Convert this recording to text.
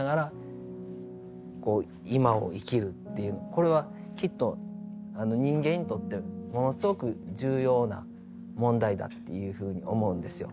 これはきっと人間にとってものすごく重要な問題だっていうふうに思うんですよ。